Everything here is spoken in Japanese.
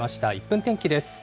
１分天気です。